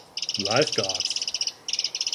Life Guards.